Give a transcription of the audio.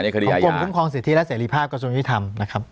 กรมคุ้มครองสิทธิและเสรีภาพกระทรวงยุทธรรมนะครับ